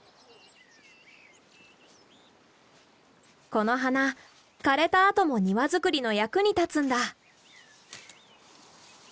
この花枯れたあとも庭作りの役に立つんだ。